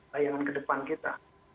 layanan ke depan kita